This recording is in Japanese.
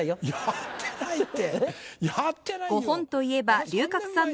やってないって！